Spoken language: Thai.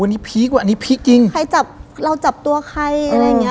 อันนี้พีคกว่าอันนี้พีคจริงใครจับเราจับตัวใครอะไรอย่างเงี้